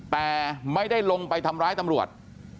แต่ไม่ได้ลงไปทำร้ายตำรวจ